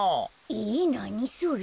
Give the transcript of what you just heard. えなにそれ？